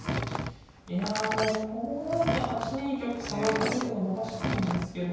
いやもうこうなると８二玉とか何か手を伸ばしたいんですけど。